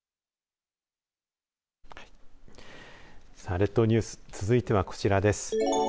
列島ニュース続いてはこちらです。